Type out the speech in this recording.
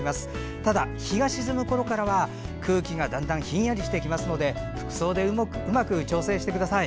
ただ、日が沈むころからは空気がだんだんひんやりしてきますので服装で、うまく調整してください。